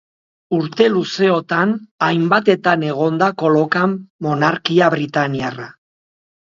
Urte luzeotan, hainbatetan egon da kolokan monarkia britainiarra.